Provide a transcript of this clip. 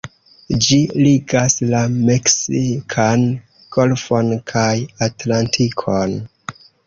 Ĝi ligas la Meksikan Golfon kaj Atlantikon.